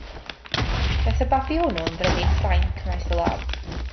Daeth y babi hwnnw yn frenin Ffrainc maes o law.